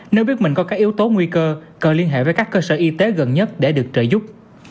nếu biết mình có các yếu tố nguy cơ cần liên hệ với các cơ sở y tế gần nhất để được trợ giúp